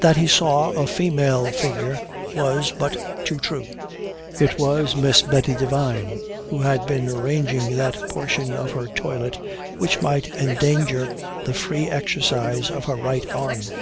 That he saw a female figure was but too true: it was Miss Betty Devine, who had been arranging that portion of her toilet which might endanger the free exercise of her right arm.